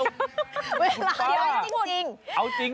เวลาเยอะเยอะจริง